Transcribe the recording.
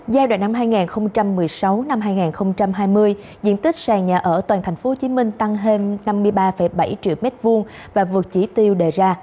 giao đoạn năm hai nghìn một mươi sáu hai nghìn hai mươi diện tích sàn nhà ở toàn thành phố hồ chí minh tăng hơn năm mươi ba bảy triệu m hai và vượt chỉ tiêu đề ra